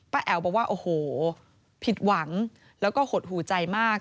แอ๋วบอกว่าโอ้โหผิดหวังแล้วก็หดหูใจมาก